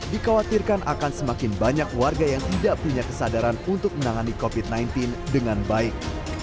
dikhawatirkan akan semakin banyak warga yang tidak punya kesadaran untuk menangani covid sembilan belas dengan baik